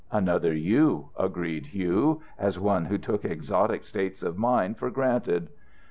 "Another you," agreed Hugh, as one who took exotic states of mind for granted.